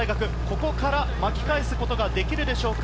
ここから巻き返すことができるでしょうか。